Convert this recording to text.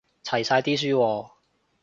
齊晒啲書喎